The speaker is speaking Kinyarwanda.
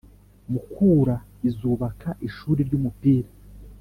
Mukura izubaka Ishuri ry’Umupira